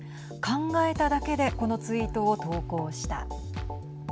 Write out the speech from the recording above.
考えただけでこのツイートを投稿した。